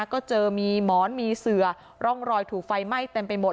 ก็เจอมีหมอนมีเสือร่องรอยถูกไฟไหม้เต็มไปหมด